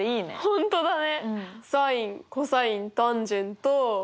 本当だね！